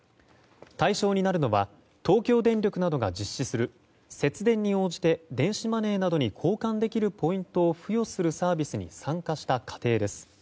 対象になるのは東京電力などが実施する節電に応じて電子マネーなどに交換できるポイントを付与するサービスに参加した家庭です。